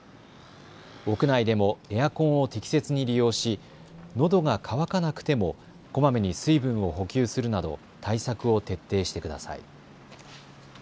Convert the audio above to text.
屋内でもエアコンを適切に利用しのどが渇かなくてもこまめに水分を補給するなど対策を徹底してください。